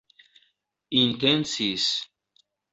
intencis